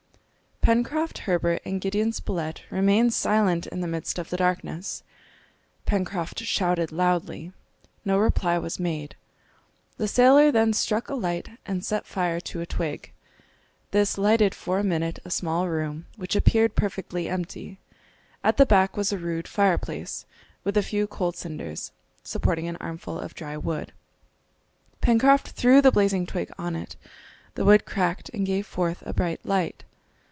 Pencroft, Herbert, and Gideon Spilett remained silent in the midst of the darkness. Pencroft shouted loudly. No reply was made. The sailor then struck a light and set fire to a twig. This lighted for a minute a small room, which appeared perfectly empty. At the back was a rude fireplace, with a few cold cinders, supporting an armful of dry wood. Pencroft threw the blazing twig on it, the wood cracked and gave forth a bright light.